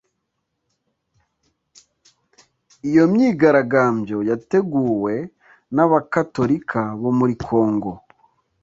Iyo myigarambyo yateguwe n’Abakatolika bo muri Kongo